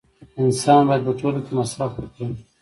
انسان باید په ټوله کې مصرف وکړي